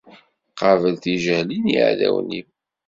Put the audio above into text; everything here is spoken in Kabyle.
Qabel tijehli n yiɛdawen-iw!